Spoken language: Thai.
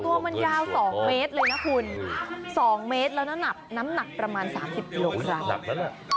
ตัวมันยาว๒เมตรเลยนะคุณ๒เมตรแล้วน้ำหนักประมาณ๓๐กิโลกรัม